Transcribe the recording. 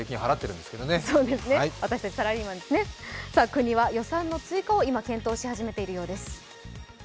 国は予算の追加を今、検討し始めているようです。